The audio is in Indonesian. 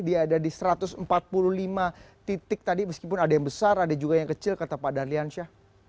dia ada di satu ratus empat puluh lima titik tadi meskipun ada yang besar ada juga yang kecil kata pak darliansyah